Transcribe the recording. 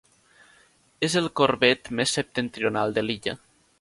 És el Corbett més septentrional de l'illa.